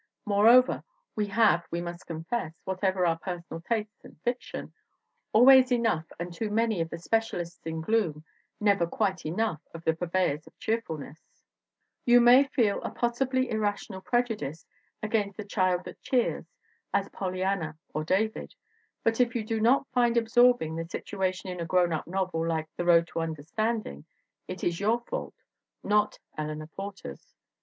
Moreover, we have, we must confess, whatever our personal tastes in fiction, always enough and too many of the special ists in gloom; never quite enough of the purveyors of cheerfulness. ii8 THE WOMEN WHO MAKE OUR NOVELS You may feel a possibly irrational prejudice against the child that cheers, as Pollyanna or David, but if you do not find absorbing the situation in a "grown up" novel like The Road to Understanding it is your fault, not Eleanor Porter's.